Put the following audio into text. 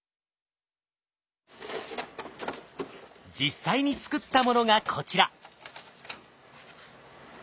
実際に作ったものがこちら！